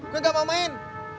gue gak mau main